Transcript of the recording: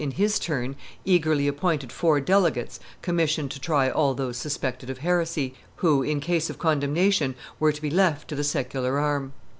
in his turn, eagerly appointed four delegates commissioned to try all those suspected of heresy, who, in case of condemnation, were to be left to the secular arm.